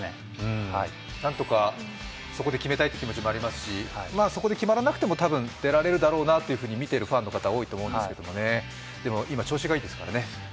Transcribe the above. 何とかそこで決めたいという気持ちもありますし、そこで決まらなくても多分、出られるだろうなとみてるファンの方、多いと思いますけどでも今、調子がいいですからね。